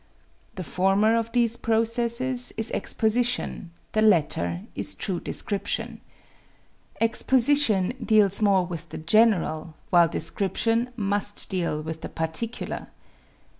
The former of these processes is exposition, the latter is true description. Exposition deals more with the general, while description must deal with the particular.